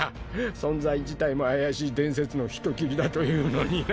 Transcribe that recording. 存在自体も怪しい伝説の人斬りだというのにな。